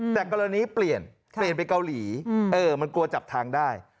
แต่กรณีเปลี่ยนเปลี่ยนไปเกาหลีมันกลัวจับทางได้